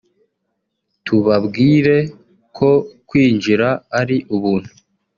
tubabwire ko kwinjira ari ubuntu